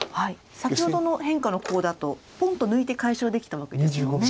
先ほどの変化のコウだとポンと抜いて解消できたわけですもんね。